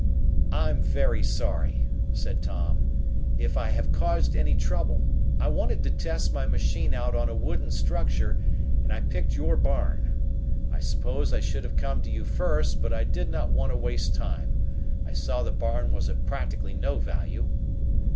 "I'm very sorry," said Tom, "if I have caused any trouble. I wanted to test my machine out on a wooden structure, and I picked your barn. I suppose I should have come to you first, but I did not want to waste time. I saw the barn was of practically no value."